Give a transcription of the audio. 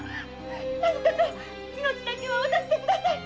何とぞ命だけはお助けください。